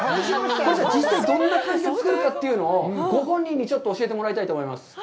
実際どんな感じで作るかというのをご本人にちょっと教えてもらいたいと思います。